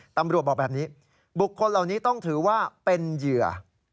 ตำรวจบอกแบบนี้บุคคลเหล่านี้ต้องถือว่าเป็นเหยื่อ